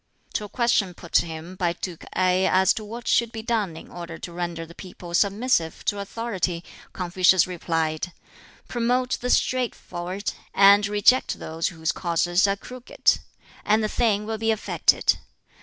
To a question put to him by Duke Ngai as to what should be done in order to render the people submissive to authority, Confucius replied, "Promote the straightforward, and reject those whose courses are crooked, and the thing will be effected.